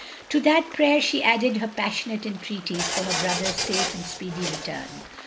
To that prayer she added her passionate en treaties for her brother's safe and speedy return.